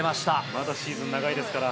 まだシーズン長いですから。